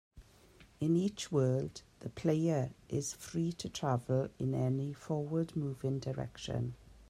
In each world, the player is free to travel in any forward-moving direction.